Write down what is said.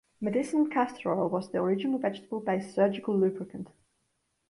Medicinal castor oil was the original vegetable-based surgical lubricant.